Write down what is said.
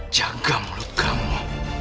jaga mulut kamu